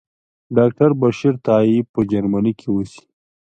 ډاکټر بشیر تائي په جرمني کې اوسي.